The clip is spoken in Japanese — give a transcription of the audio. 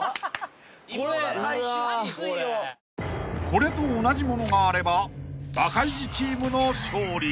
［これと同じものがあればバカイジチームの勝利］